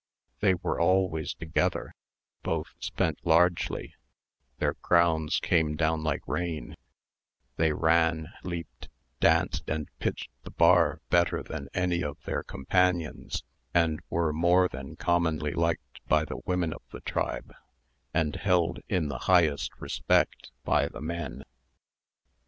They were always together, both spent largely, their crowns came down like rain; they ran, leaped, danced, and pitched the bar better than any of their companions, and were more than commonly liked by the women of the tribe, and held in the highest respect by the men.